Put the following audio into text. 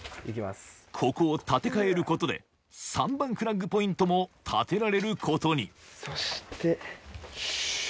ここを立て替えることで３番フラッグポイントも立てられることにそしてよし。